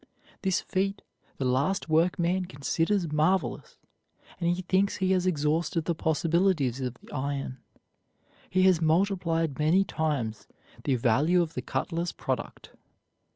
This feat the last workman considers marvelous, and he thinks he has exhausted the possibilities of the iron. He has multiplied many times the value of the cutler's product.